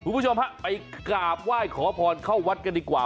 คุณผู้ชมฮะไปกราบไหว้ขอพรเข้าวัดกันดีกว่า